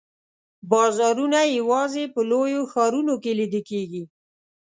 بازارونه یوازي په لویو ښارونو کې لیده کیږي.